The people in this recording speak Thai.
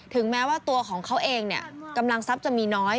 แม้ว่าตัวของเขาเองเนี่ยกำลังทรัพย์จะมีน้อย